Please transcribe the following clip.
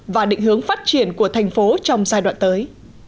và định hướng phát triển của thành phố trong giai đoạn tới